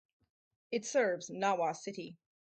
It serves Nawa City.